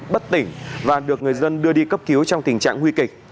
bất tỉnh và được người dân đưa đi cấp cứu trong tình trạng nguy kịch